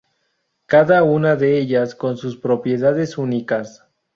Cada una de ellas con sus propiedades únicas.